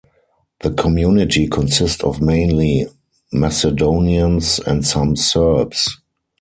The community consist of mainly Macedonians and some Serbs.